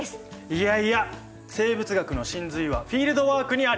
いやいや生物学の神髄はフィールドワークにあり！